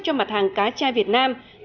cho mặt hàng cacha việt nam